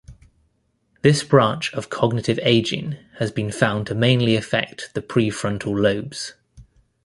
This branch of cognitive aging has been found to mainly affect the prefrontal lobes.